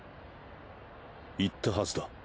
言ったはずだ。